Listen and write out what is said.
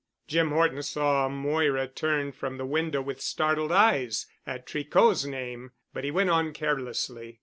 Jim Horton saw Moira turn from the window with startled eyes at Tricot's name, but he went on carelessly.